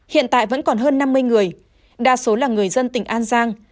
hiện tại vẫn còn hơn năm mươi người đa số là người dân tỉnh an giang